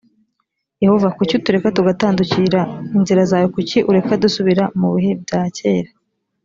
yehova kuki utureka tugatandukira inzira zawe kuki ureka dusubira mu bihe bya kera